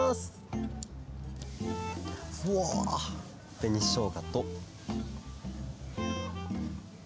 べにしょうがと。